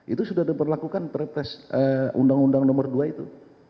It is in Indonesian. itu sudah diperlakukan perpres undang undang nomor dua itu